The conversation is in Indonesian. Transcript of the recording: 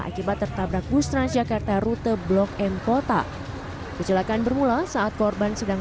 akibat tertabrak bus transjakarta rute blok m kota kecelakaan bermula saat korban sedang